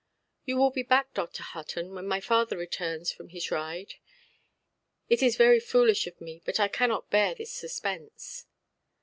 "You will be back, Dr. Hutton, when my father returns from his ride? It is very foolish of me, but I cannot bear this suspense".